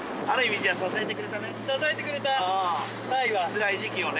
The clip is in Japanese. つらい時期をね。